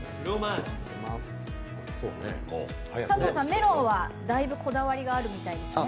メロンはだいぶこだわりがあるみたいですね。